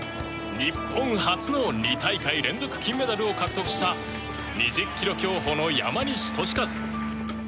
日本初の２大会連続金メダルを獲得した２０ｋｍ競歩の山西利和。